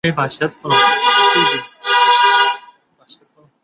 基利安斯罗达是德国图林根州的一个市镇。